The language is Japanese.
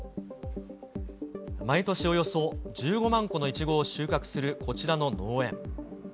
毎年およそ１５万個のいちごを収穫するこちらの農園。